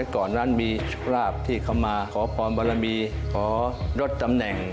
ก่อนมีทุกราบที่เข้ามาขอพรบารมีขอรถตำแหน่ง